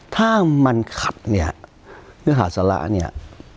ถ้ามันขัดเนี่ยเนื้อหาสาระเนี่ย